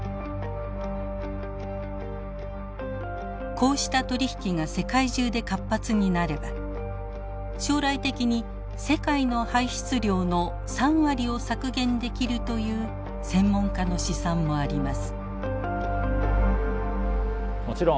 こうした取り引きが世界中で活発になれば将来的に世界の排出量の３割を削減できるという専門家の試算もあります。